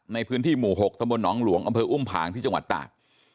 ในพื้นที่หมู่๖ตำบลหนองหลวงอำเภออุ้มผางที่จังหวัดตาก